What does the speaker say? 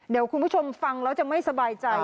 เดี๋ยวคุณผู้ชมฟังแล้วจะไม่สบายใจ